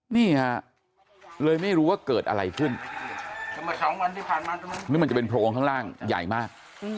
นี่ฮะเลยไม่รู้ว่าเกิดอะไรขึ้นทำไมสองวันที่ผ่านมาหรือมันจะเป็นโพรงข้างล่างใหญ่มาก